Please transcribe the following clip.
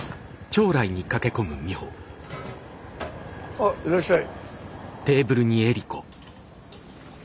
あっいらっしゃい。